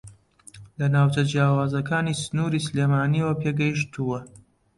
لە ناوچە جیاوازەکانی سنووری سلێمانییەوە پێگەیشتووە